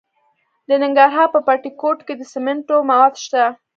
د ننګرهار په بټي کوټ کې د سمنټو مواد شته.